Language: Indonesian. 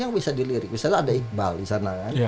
yang bisa dilirik misalnya ada iqbal disana kan